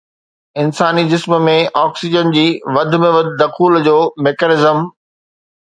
انساني جسم ۾ آڪسيجن جي وڌ ۾ وڌ دخول جو ميکانيزم